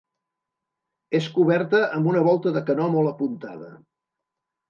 És coberta amb una volta de canó molt apuntada.